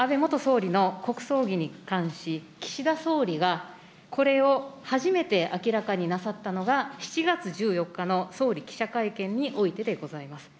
故・安倍元総理の国葬儀に関し、岸田総理が、これを初めて明らかになさったのが、７月１４日の総理記者会見においてでございます。